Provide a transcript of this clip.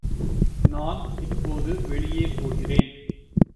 நான் இப்போது வெளியே போகிறேன்.